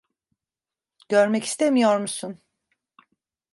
Görmek istemiyor musun?